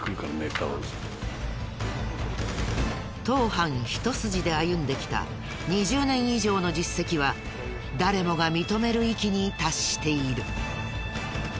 盗犯一筋で歩んできた２０年以上の実績は誰もが認める域に達している。